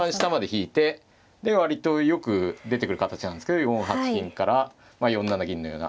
で割とよく出てくる形なんですけど４八金から４七銀のような。